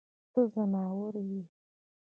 ته ځناور يې.